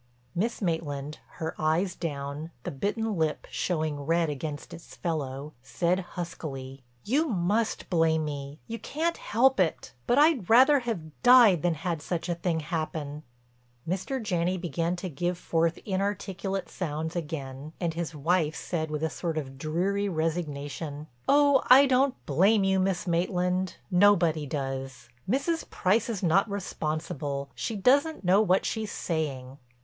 Miss Maitland, her eyes down, the bitten lip showing red against its fellow, said huskily: "You must blame me—you can't help it—but I'd rather have died than had such a thing happen." Mr. Janney began to give forth inarticulate sounds again and his wife said with a sort of dreary resignation: "Oh, I don't blame you, Miss Maitland. Nobody does. Mrs. Price is not responsible; she doesn't know what she's saying."